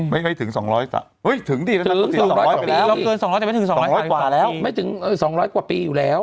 ไม่ถึง๒๐๐กว่าปีไม่ถึง๒๐๐กว่าปีอยู่แล้ว